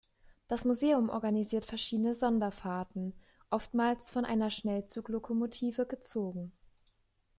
Das Museum organisiert verschiedene Sonderfahrten, oftmals von einer Schnellzuglokomotive gezogen.